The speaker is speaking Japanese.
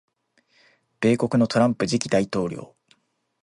米国のトランプ次期大統領